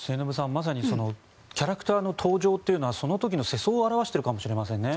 まさにキャラクターの登場はその時の世相を表してるかもしれませんね。